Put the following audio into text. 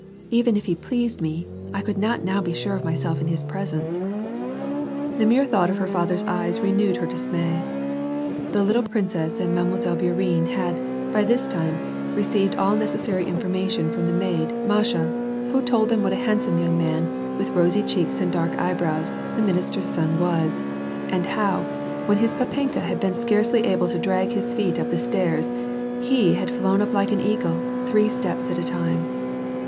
Even if he pleased me, I could not now be sure of myself in his presence." The mere thought of her father's eyes renewed her dismay. The little princess and Mile. Bourienne had, by this time, re ceived all necessary information from the maid, Masha, who told them what a handsome young man, with rosy cheeks and dark eyebrows, the minister's son was ; and how, when his papenka had been scarcely able to drag his feet up the stairs, he had flown up like an eagle, three steps at a time.